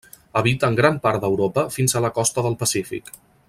Habita en gran part d'Europa fins a la costa del Pacífic.